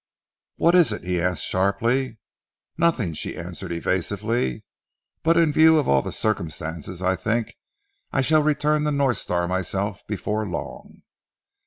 "What is it?" he asked sharply. "Nothing!" she answered evasively. "But in view of all the circumstances I think I shall return to North Star myself before long."